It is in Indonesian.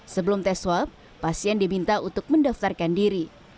sebelum tes swab pasien diminta untuk mendaftarkan diri